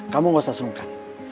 kamu gak usah serungkan